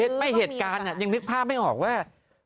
ไม่เหตุการณ์ยังนึกภาพไม่ออกว่า